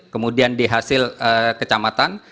kemudian di hasil kecamatan